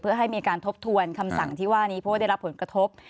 เพื่อให้มีการทบทวนคำสั่งที่ว่านี้เพราะว่าได้รับผลกระทบ